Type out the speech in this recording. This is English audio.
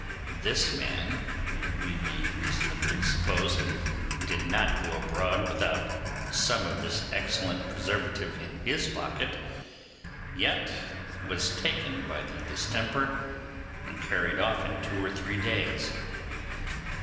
This man, who, we may reasonably suppose, did not go abroad without some of this excellent preservative in his pocket, yet was taken by the distemper, and carried off in two or three days.